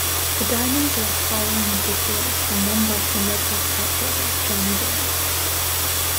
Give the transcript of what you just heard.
The Diamonds lost following interference from then-Boston Red Sox outfielder Johnny Damon.